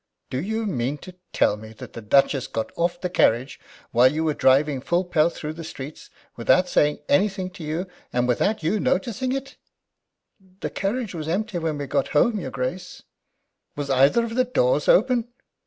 "Do you mean to tell me that the Duchess got out of the carriage while you were driving full pelt through the streets without saying anything to you, and without you noticing it?" "The carriage was empty when we got home, your Grace." "Was either of the doors open?"